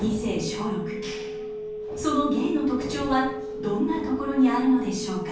その芸の特徴はどんなところにあるのでしょうか。